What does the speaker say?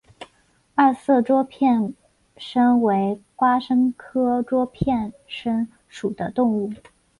二色桌片参为瓜参科桌片参属的动物。